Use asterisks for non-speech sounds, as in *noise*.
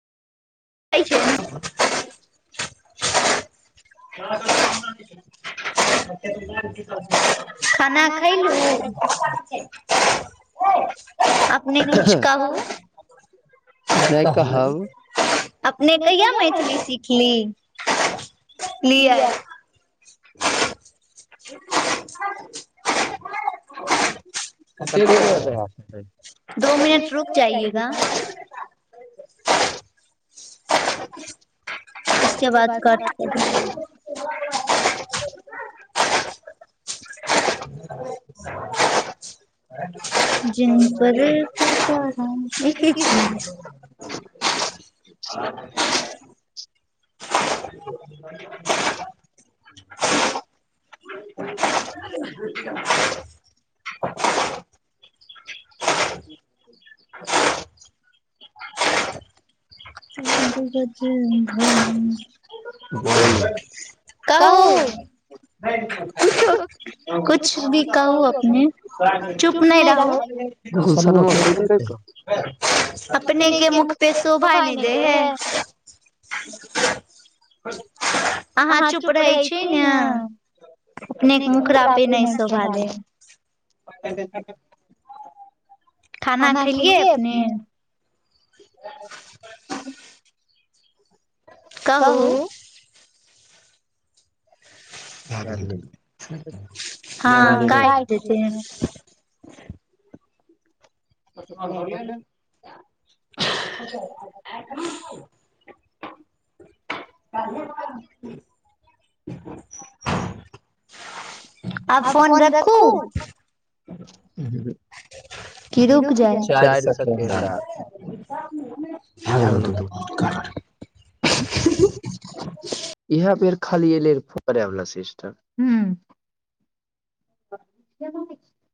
*unintelligible* *unintelligible* अपने कहिया मैथिली सिखली *unintelligible* *unintelligible* *inaudible* कितने देर लागत दो मिनट रुक जाइएगा *unintelligible* *inaudible* *unintelligible* इसके बाद कट *unintelligible* *inaudible* *unintelligible* जिनप त *inaudible* *inaudible* रट *inaudible* बुझत ह ह *inaudible* कहू कुछो कुछ भी कहू अपने चुप नहि रहू अपने के मुख पे शोभा नहि दै हइ *inaudible* ह *inaudible* अहाँ चुप रहै छी ने अपनेके मुखरापे नहि शोभ देेय है खाना खैलियै अपने *inaudible* कहू बाद मे कहियौ हाँ काटि देतै *unintelligible* *unintelligible* *inaudible* आब फोन रखू की रुक जाय चारि सकेंड *unintelligible* *unintelligible* इहाए बेर खाली एलै र हा फौकरे वला सिस्टम